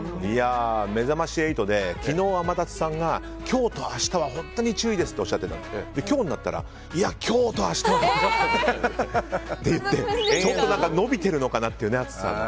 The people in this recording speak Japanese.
「めざまし８」で昨日、天達さんが今日と明日は本当に注意ですとおっしゃっていて今日になったらいや、今日と明日はって言ってちょっと延びてるのかなと暑さが。